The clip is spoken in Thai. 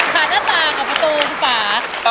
ขาดหน้าต่างกับประตูที่ฝา